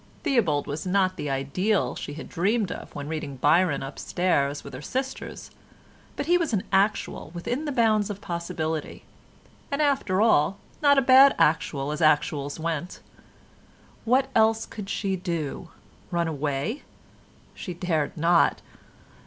Theobald was not the ideal she had dreamed of when reading Byron upstairs with her sisters, but he was an actual within the bounds of possibility, and after all not a bad actual as actuals went. What else could she do? Run away? She dared not.